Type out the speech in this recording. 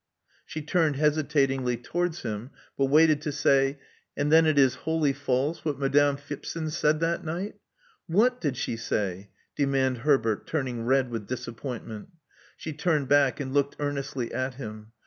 She turned hesitatingly towards him, but waited to say, ''And it is then wholly false what Madame Feep* zon said that night? " ''What did she say?" demanded Herbert, turning red with disappointment. She drew back, and looked earnestly at him.